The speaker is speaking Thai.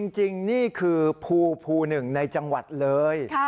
จริงนี่คือภูหนึ่งในจังหวัดเลย